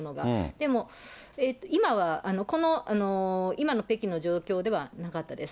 でも今は、この今の北京の状況ではなかったです。